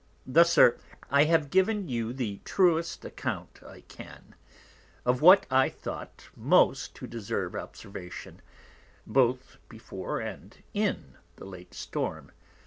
Thus, Sir, I have given you the truest Account I can, of what I thought most to deserve Observation, both before, and in the late Storm.